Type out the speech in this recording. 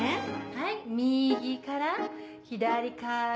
はい右から左から。